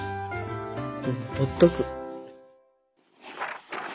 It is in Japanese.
ほっとく。